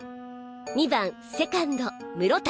２番セカンド室谷